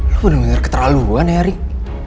lo bener bener keterlaluan ya rick